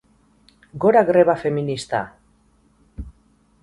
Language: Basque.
Gora greba feminista!!!